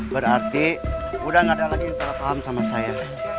berarti udah gak ada lagi yang salah paham sama saya